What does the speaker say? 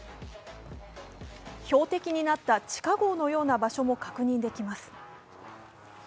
標的になった地下ごうのような場所も確認できます。